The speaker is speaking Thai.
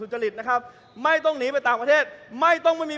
คุณจิลายุเขาบอกว่ามันควรทำงานร่วมกัน